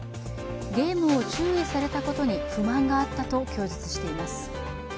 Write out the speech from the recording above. ゲームを注意されたことに不満があったと供述しています。